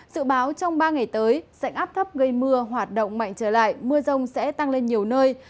dự báo trong ba ngày tới sảnh áp thấp gây mưa hoạt động mạnh trở lại mưa rông sẽ tăng lên nhiều nơi